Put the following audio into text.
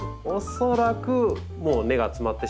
恐らくもう根がつまってしまって。